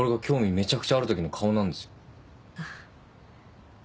めちゃくちゃある時の顔なんですよ。